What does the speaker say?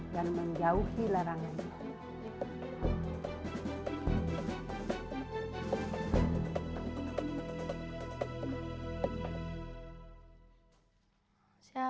dan menjauhi larangannya